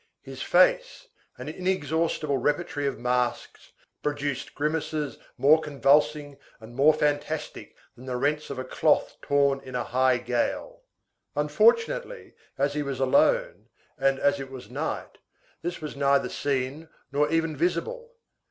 His face, an inexhaustible repertory of masks, produced grimaces more convulsing and more fantastic than the rents of a cloth torn in a high gale. Unfortunately, as he was alone, and as it was night, this was neither seen nor even visible.